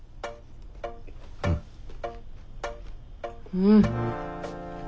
うん。